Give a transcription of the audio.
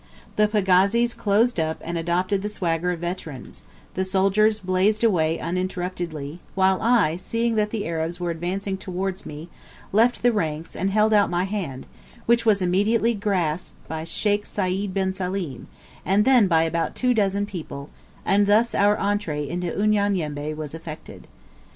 The pagazis closed up and adopted the swagger of veterans: the soldiers blazed away uninterruptedly, while I, seeing that the Arabs were advancing towards me, left the ranks, and held out my hand, which was immediately grasped by Sheikh Sayd bin Salim, and then by about two dozen people, and thus our entrée into Unyanyembe was effected.